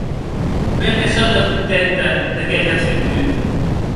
Be ne sò de contenta de qué ajatz vengut!